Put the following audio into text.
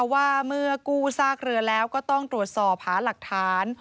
ว่าเมื่อกู้ซากเรือแล้วก็ต้องตรวจสอบหาหลักฐาน